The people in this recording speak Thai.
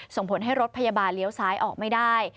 ส่งผลให้รถพยาบาลเลี้ยวซ้ายออกไม่ได้